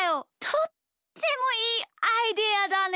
とってもいいアイデアだね！